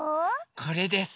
これです。